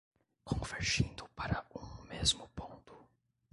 Convergindo para um mesmo ponto